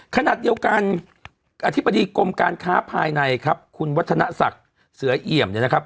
ขณะเดียวกันอธิบดีกรมการค้าภายในครับคุณวัฒนศักดิ์เสือเอี่ยมเนี่ยนะครับ